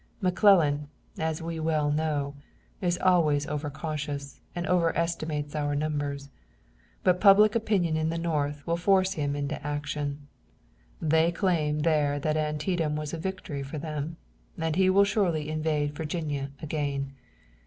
McClellan, as we well know, is always overcautious and overestimates our numbers, but public opinion in the North will force him to action. They claim there that Antietam was a victory for them, and he will surely invade Virginia again.